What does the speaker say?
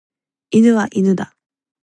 犬は犬だ。